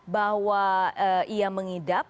bahwa ia mengidap